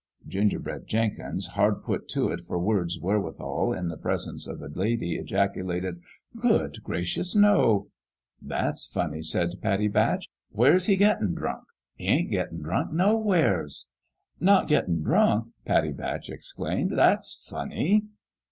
Gingerbread Jenkins, hard put to it for words wherewithal in the presence of a lady, ejaculated :" Good gracious, no !"" That's funny," said Pattie Batch. " Where's he gettin' drunk ?"" He ain't gettin' drunk nowheres." "Not^taV drunk?" Pattie Batch exclaimed. " That's funny."